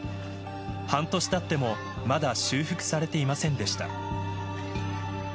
半年たってもまだ修復されていませんでした。